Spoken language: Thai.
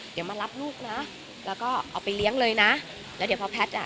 เดี๋ยวมารับลูกนะแล้วก็เอาไปเลี้ยงเลยนะแล้วเดี๋ยวพอแพทย์อ่ะ